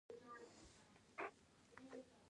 نن شپه زموږ سره پاته سئ.